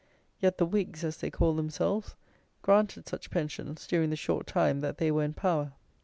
Yet the Whigs, as they call themselves, granted such pensions during the short time that they were in power.